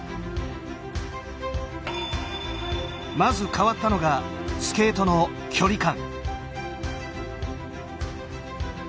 まず変わったのがスケートの距離感。